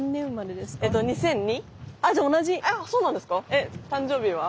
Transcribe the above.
えっ誕生日は？